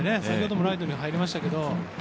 先ほどもライトに入りましたけど。